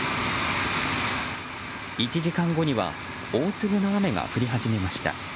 １時間後には大粒の雨が降り始めました。